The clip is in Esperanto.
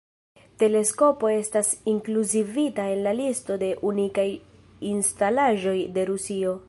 Teleskopo estas inkluzivita en la listo de unikaj instalaĵoj de Rusio.